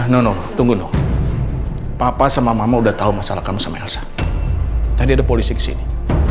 nono tunggu noh papa sama mama udah tahu masalah kamu sama elsa tadi ada polisi kesini